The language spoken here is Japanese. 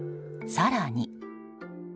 更に。